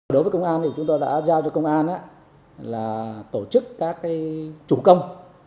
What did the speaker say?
đối với công an thì chúng tôi đã giao cho công an là tổ chức các chủ công